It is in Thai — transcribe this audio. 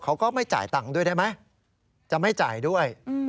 เขาก็ไม่จ่ายตังค์ด้วยได้ไหมจะไม่จ่ายด้วย